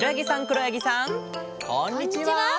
こんにちは！